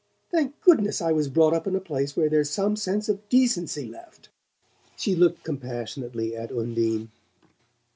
Thank goodness I was brought up in a place where there's some sense of decency left!" She looked compassionately at Undine.